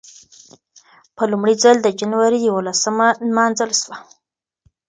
په لومړي ځل د جنورۍ یولسمه نمانځل شوه.